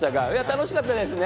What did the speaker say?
楽しかったです。